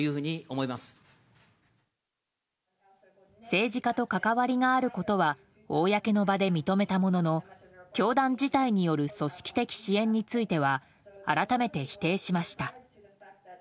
政治家と関わりがあることは公の場で認めたものの教団自体による組織的支援については改めて否定しました。